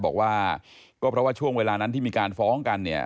บอกว่าก็เพราะว่าช่วงเวลานั้นที่มีการฟ้องกันเนี่ย